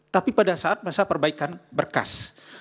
tapi pada saat masa perbaikan berkas